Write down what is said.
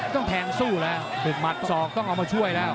ต้องแทงสู้แล้วถูกหมัดศอกต้องเอามาช่วยแล้ว